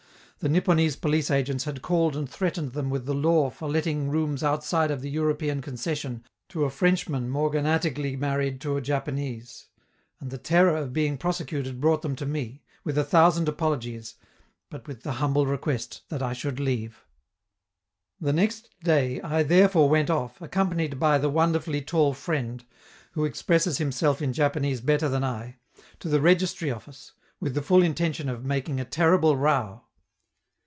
The Nipponese police agents had called and threatened them with the law for letting rooms outside of the European concession to a Frenchman morganatically married to a Japanese; and the terror of being prosecuted brought them to me, with a thousand apologies, but with the humble request that I should leave. The next day I therefore went off, accompanied by "the wonderfully tall friend" who expresses himself in Japanese better than I to the registry office, with the full intention of making a terrible row.